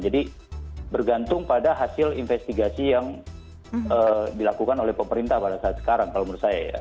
jadi bergantung pada hasil investigasi yang dilakukan oleh pemerintah pada saat sekarang kalau menurut saya ya